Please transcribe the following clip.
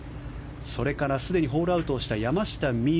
それからすでにホールアウトした山下美夢